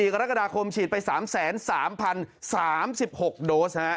กรกฎาคมฉีดไป๓๓๐๓๖โดส